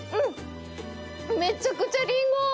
めちゃくちゃリンゴ！